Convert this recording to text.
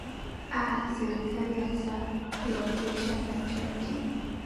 aa serikali yafaa iwakilishe wananchi wa kenya